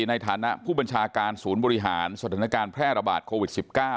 ในฐานะผู้บัญชาการศูนย์บริหารสถานการณ์แพร่ระบาดโควิด๑๙